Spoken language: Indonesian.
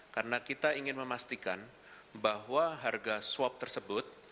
karena kita ingin memastikan bahwa harga swab tersebut